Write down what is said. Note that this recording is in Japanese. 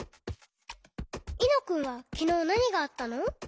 いのくんはきのうなにがあったの？